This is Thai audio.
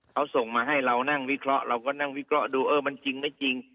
เขาส่งมาให้เรานั่งวิเคราะห์เราก็นั่งวิเคราะห์ดูเออมันจริงไม่จริง